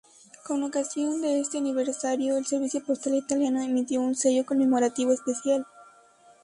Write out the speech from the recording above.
Con ocasión de este aniversario, el Servicio Postal Italiano emitió un sello conmemorativo especial.